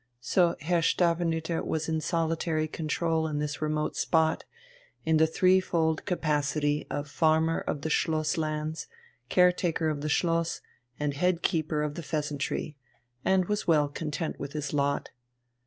So Herr Stavenüter was in solitary control in this remote spot, in the three fold capacity of farmer of the Schloss lands, caretaker of the Schloss, and head keeper of the "Pheasantry," and was well content with his lot.